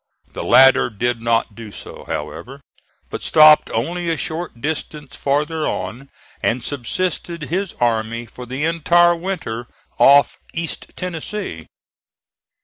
The latter did not do so, however, but stopped only a short distance farther on and subsisted his army for the entire winter off East Tennessee.